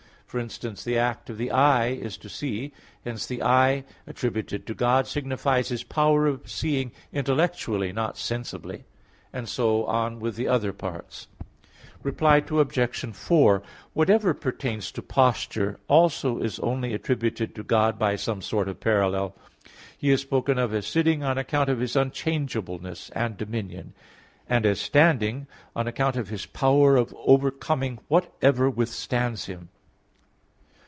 For instance the act of the eye is to see; hence the eye attributed to God signifies His power of seeing intellectually, not sensibly; and so on with the other parts. Reply Obj. 4: Whatever pertains to posture, also, is only attributed to God by some sort of parallel. He is spoken of as sitting, on account of His unchangeableness and dominion; and as standing, on account of His power of overcoming whatever withstands Him.